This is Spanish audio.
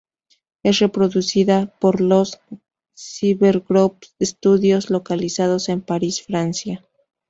Es producida por los Cyber Group Studios, localizados en París, Francia.